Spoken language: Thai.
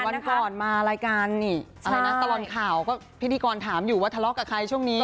วันก่อนมารายการนี่อะไรนะตลอดข่าวก็พิธีกรถามอยู่ว่าทะเลาะกับใครช่วงนี้